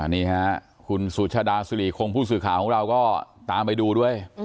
นี่ค่ะคุณสุชาดาสุริคงผู้สื่อข่าวของเราก็ตามไปดูด้วย